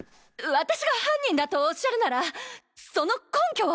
私が犯人だとおっしゃるならその根拠を！